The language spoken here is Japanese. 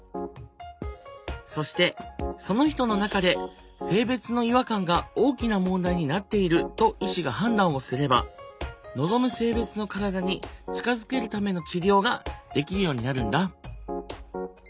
そしてその人の中で性別の違和感が大きな問題になっていると医師が判断をすれば望む性別の体に近づけるための治療ができるようになるんだ。